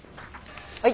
はい。